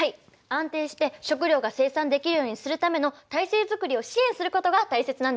安定して食料が生産できるようにするための体制作りを支援することが大切なんですね。